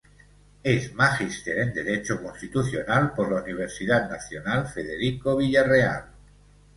Es magíster en derecho Constitucional por la Universidad Nacional Federico Villarreal.